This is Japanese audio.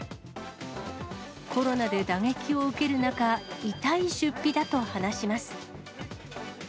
コロナで打撃を受ける中、痛い出費だと話します。